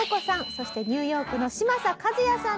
そしてニューヨークの嶋佐和也さんです。